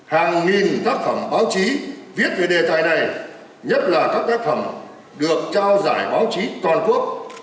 hàng nghìn tác phẩm báo chí viết về đề tài này nhất là các tác phẩm được trao giải báo chí toàn quốc